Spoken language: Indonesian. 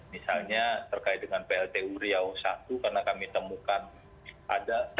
misalnya terkait dengan plt uriah satu karena kami temukan ada